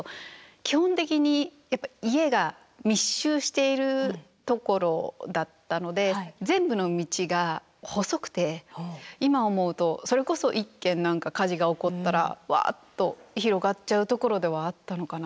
基本的にやっぱ家が密集しているところだったので全部の道が細くて今思うとそれこそ一軒なんか火事が起こったらワッと広がっちゃうところではあったのかな。